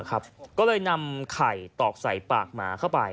ก็เลยนำไข่ตอกใส่ปากหมาเข้าไป